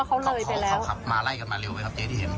เขาขับมาไล่กันมาเร็วเลยครับเจ๊ที่เห็น